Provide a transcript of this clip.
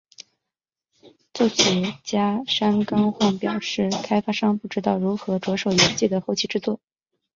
作曲家山冈晃表示开发商不知道如何着手游戏的后期制作。